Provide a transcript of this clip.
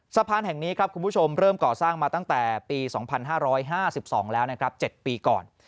สะพานแห่งนี้ครับคุณผู้ชมเริ่มก่อสร้างมาตั้งแต่ปี๒๕๕๒แล้วนะครับ๗ปีก่อน